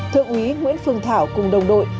thượng úy nguyễn phương thảo cùng đồng đội